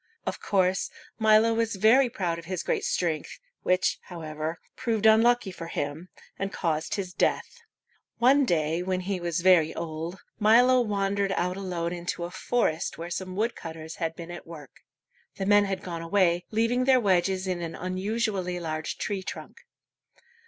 Of course, Milo was very proud of his great strength, which, however, proved unlucky for him, and caused his death. One day when he was very old, Milo wandered out alone into a forest where some woodcutters had been at work. The men had gone away, leaving their wedges in an unusually large tree trunk.